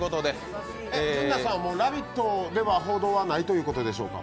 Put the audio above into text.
純菜さん、「ラヴィット！」ではもう報道はないということですか。